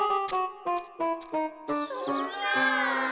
そんな。